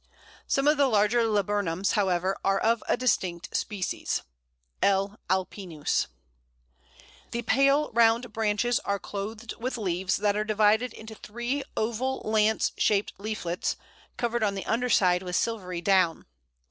Some of the larger Laburnums, however, are of a distinct species (L. alpinus). The pale round branches are clothed with leaves that are divided into three oval lance shaped leaflets, covered on the underside with silvery down.